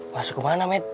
masuk ke mana med